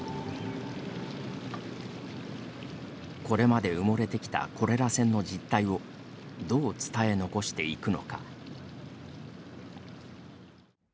これまで埋もれてきたコレラ船の実態をどう伝え残していくのか。